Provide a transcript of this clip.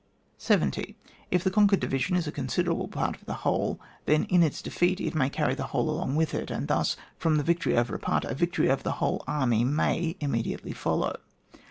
182 ON WAR. 70. If the conquered division is a con siderable part of the whole, then in its defeat it may carry the whole along with it ; and, thus, from the victory over a part, a victory over the whole may imme diately follow.